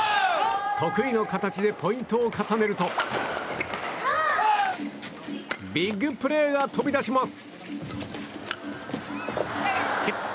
得意の形でポイントを重ねるとビッグプレーが飛び出します。